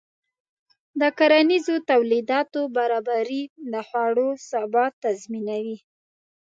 د کرنیزو تولیداتو برابري د خوړو ثبات تضمینوي.